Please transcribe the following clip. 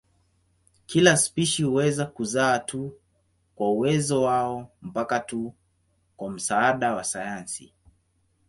Kila spishi huweza kuzaa tu kwa uwezo wao mpaka tu kwa msaada wa sayansi.